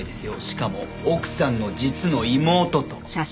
しかも奥さんの実の妹と。